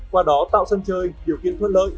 qua đó tạo sân chơi điều kiện thuận lợi